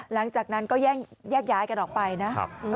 หลังจากนั้นก็แยกย้ายกันออกไปนะ